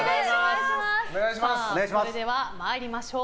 それでは参りましょう。